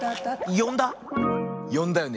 よんだよね？